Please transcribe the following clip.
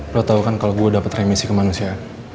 lo tau kan kalau gue dapat remisi ke manusia